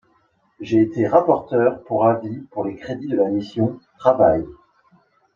J’ai été rapporteur pour avis pour les crédits de la mission « Travail ».